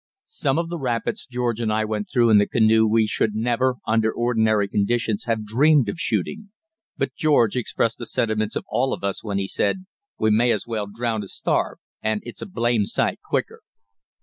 Some of the rapids George and I went through in the canoe we should never, under ordinary conditions, have dreamed of shooting. But George expressed the sentiments of all of us when he said: "We may as well drown as starve, and it's a blamed sight quicker."